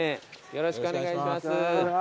よろしくお願いします。